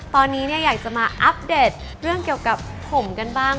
ตอนนี้อยากจะมาอัปเดตเรื่องเกี่ยวกับผมกันบ้าง